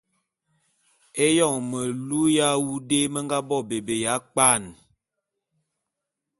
Éyon melu ya awu dé me nga bo bébé ya kpwan.